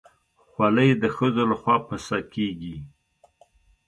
خولۍ د ښځو لخوا پسه کېږي.